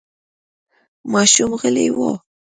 ماشوم غلی و.